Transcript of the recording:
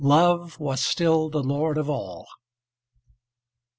LOVE WAS STILL THE LORD OF ALL.